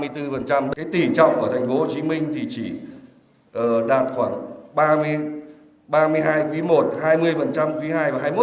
tỷ trọng ở tp hcm thì chỉ đạt khoảng ba mươi hai quý i hai mươi quý ii hai mươi một